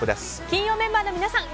金曜日メンバーの皆さん